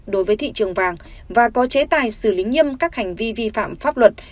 đối với thị trường vàng và có chế tài xử lý nghiêm các hành vi vi phạm pháp luật